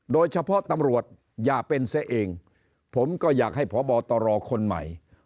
โดยเฉพาะตำรวจอย่าเป็นเส้นเองผมก็อยากให้พบตลคนใหม่